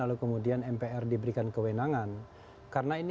agar tidak langsung seperti calonia yang